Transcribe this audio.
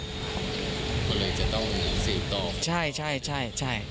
คุณก็เลยจะต้องศีลต่อ